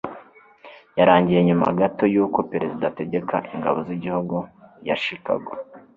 yarangiye nyuma gato yuko perezida ategeka ingabo z'igihugu cya chicago